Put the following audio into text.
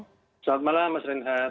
selamat malam mas rinhat